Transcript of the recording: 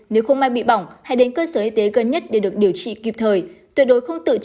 nếu không mai bị bỏng hãy đến cơ sở y tế gần nhất để được điều trị kịp thời tuyệt đối không tự chữa tại nhà